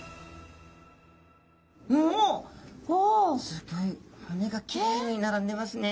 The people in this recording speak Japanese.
すギョい骨がきれいに並んでますね。